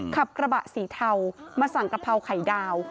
ขับกระบะสีเทามาสั่งกะเพราไข่ดาว